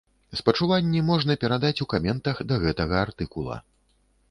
Спачуванні можна перадаць у каментах да гэтага артыкула.